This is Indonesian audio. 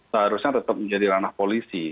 seharusnya tetap menjadi ranah polisi